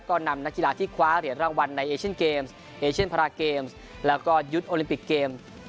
ก็นำนักกีฬาที่คว้าเหรียญรางวัลในเอเชียนเกมส์เอเชียนพาราเกมส์แล้วก็ยุทธ์โอลิมปิกเกม